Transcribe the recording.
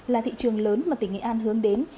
là thị trường lớn mà tỉnh nghệ an hướng đến